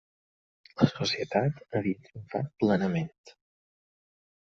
La Societat havia triomfat plenament.